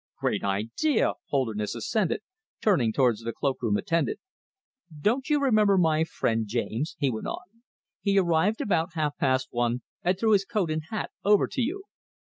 "Great idea," Holderness assented, turning towards the cloakroom attendant. "Don't you remember my friend, James?" he went on. "He arrived about half past one, and threw his coat and hat over to you."